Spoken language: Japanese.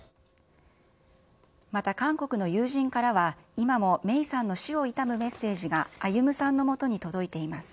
また韓国の友人からは、今も芽生さんの死を悼むメッセージが歩さんのもとに届いています。